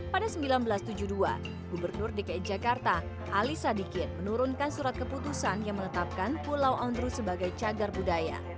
pada seribu sembilan ratus tujuh puluh dua gubernur dki jakarta ali sadikin menurunkan surat keputusan yang menetapkan pulau ondrus sebagai cagar budaya